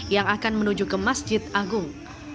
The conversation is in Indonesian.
yang akan menuju ke masjid agung